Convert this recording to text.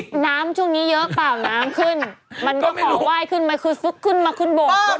เดี๋ยวน้ำช่วงนี้เยอะป่ะน้ำขึ้นมันก็ขอไหว้ขึ้นมันขึ้นมาขึ้นบ่ง